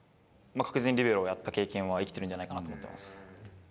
確実にリベロやった経験は生きてるんじゃないかなと思ってます。